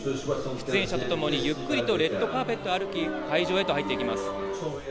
出演者とともにゆっくりとレッドカーペットを歩き、会場へと入っていきます。